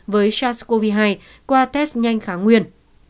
với sars cov hai qua test nhanh kháng nguyên